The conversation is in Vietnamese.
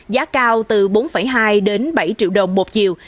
giá cao từ bốn hai đến bảy triệu đồng một chiều